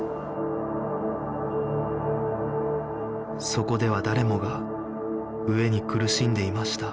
そこでは誰もが飢えに苦しんでいました